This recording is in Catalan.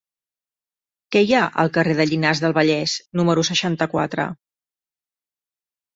Què hi ha al carrer de Llinars del Vallès número seixanta-quatre?